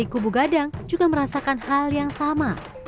penari kubu gada juga merasakan hal yang sama